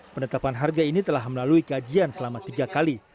penetapan harga ini telah melalui kajian selama tiga kali